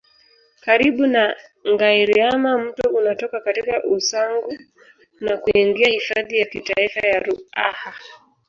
Karibu na Ngâiriama mto unatoka katika Usangu na kuingia hifadhi ya kitaifa ya Ruaha